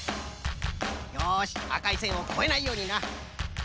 よしあかいせんをこえないようにな。